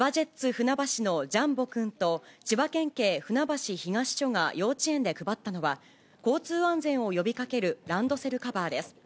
ふなばしのジャンボくんと、千葉県警船橋東署が幼稚園で配ったのは、交通安全を呼びかけるランドセルカバーです。